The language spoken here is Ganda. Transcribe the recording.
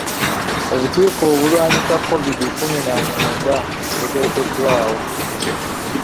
Obukiiko obulwanyisa Kovidi kkumi na mwenda buteekeddwawo.